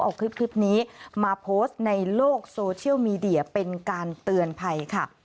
เอาคลิปนี้มาโพสต์ในโลกโซเชียลมีเดียเป็นการเตือนภัยค่ะ